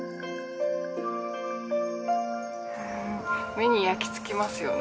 目に焼き付きますよね